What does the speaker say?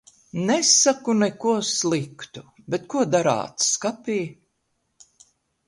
Nesaku neko sliktu, bet ko darāt skapī?